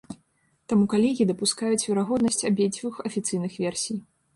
Таму калегі дапускаюць верагоднасць абедзвюх афіцыйных версій.